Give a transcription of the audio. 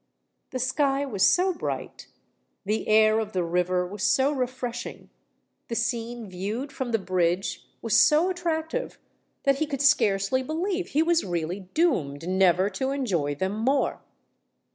The sky was so bright—the air of the river was so refreshing—the scene viewed from the bridge was so attractive, that he could scarcely believe he was really doomed never to enjoy them more!